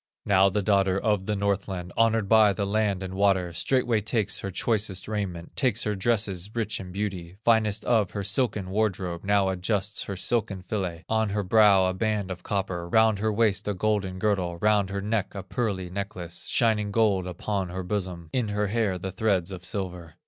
Now the daughter of the Northland, Honored by the land and water, Straightway takes her choicest raiment, Takes her dresses rich in beauty, Finest of her silken wardrobe, Now adjusts her silken fillet, On her brow a band of copper, Round her waist a golden girdle, Round her neck a pearly necklace, Shining gold upon her bosom, In her hair the threads of silver.